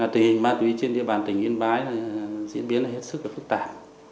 tình hình ma túy trên địa bàn tỉnh yên bái diễn biến hết sức phức tạp